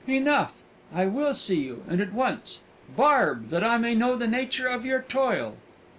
"Enough! I will see you and at once. Barb, that I may know the nature of your toil!"